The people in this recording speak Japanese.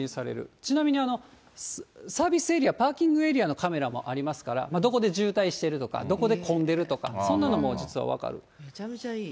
ちなみにサービスエリア、パーキングエリアのカメラもありますから、どこで渋滞してるとか、どこで混んでるとか、めちゃめちゃいい。